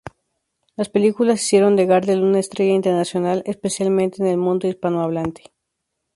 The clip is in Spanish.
Las películas hicieron de Gardel una estrella internacional, especialmente en el mundo hispanohablante.